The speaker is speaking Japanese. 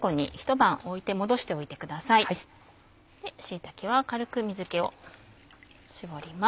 椎茸は軽く水気を絞ります。